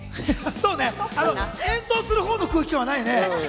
そうね、演奏するほうの空気はないね。